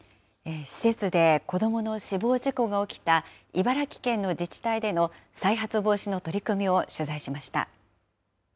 施設で子どもの死亡事故が起きた、茨城県の自治体での再発防止の取り組みを取材しました。